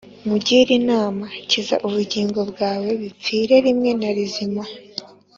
nkugire inama Kiza ubugingo bwawe bipfire rimwe na rizima